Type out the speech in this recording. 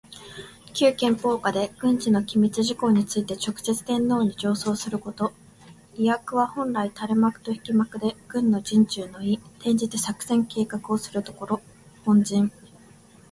旧憲法下で、軍事の機密事項について直接天皇に上奏すること。「帷幄」は本来たれ幕と引き幕で、軍の陣中の意、転じて作戦計画をするところ。本陣。